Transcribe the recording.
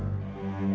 aku mau ke rumah